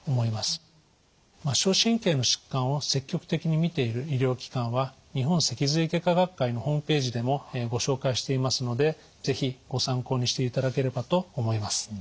末梢神経の疾患を積極的に診ている医療機関は日本脊髄外科学会のホームページでもご紹介していますので是非ご参考にしていただければと思います。